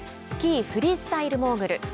スキーフリースタイルモーグル。